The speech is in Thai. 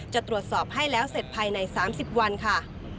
จะตรวจสอบให้แล้วเสร็จภายใน๓๐วันค่ะ